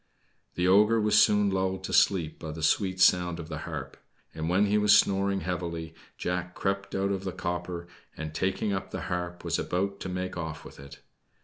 The ogre was soon lulled to sleep by the sweet sound of the harp; and when he was snoring heavily, Jack crept out of the copper, and taking up the harp was about to make off with it.